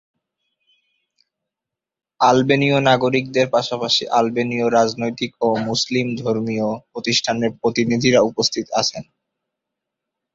আলবেনীয় নাগরিকদের পাশাপাশি আলবেনীয় রাজনৈতিক ও মুসলিম ধর্মীয় প্রতিষ্ঠানের প্রতিনিধিরা উপস্থিত আছেন।